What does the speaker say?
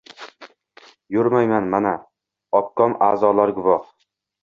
yurmayman. Mana, obkom a’zolari guvoh.